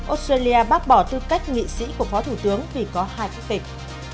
australia bác bỏ tư cách nghị sĩ của phó thủ tướng vì có hai quốc tịch